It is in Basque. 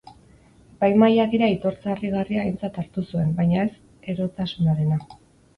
Epaimahaiak ere aitortza aringarria aintzat hartu zuen, baina ez erotasunarena.